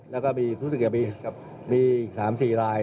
แล้วก็มีทุกสิทธิกายมี๓๔ราย